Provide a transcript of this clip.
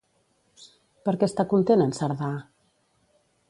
Per què està content en Cerdà?